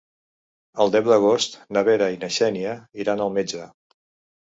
El deu d'agost na Vera i na Xènia iran al metge.